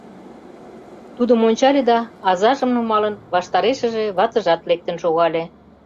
Тудым ончале да, азажым нумалын, ваштарешыже ватыжат лектын шогале.